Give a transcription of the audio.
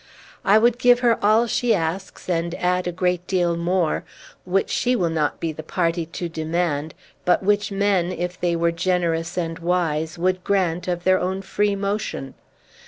I would give her all she asks, and add a great deal more, which she will not be the party to demand, but which men, if they were generous and wise, would grant of their own free motion.